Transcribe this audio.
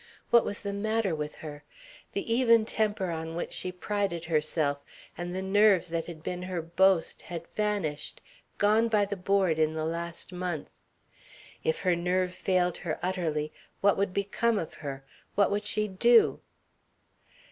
What was the matter with her? The even temper on which she prided herself and the nerves that had been her boast had vanished, gone by the board in the last month. If her nerve failed her utterly what would become of her? What would she do?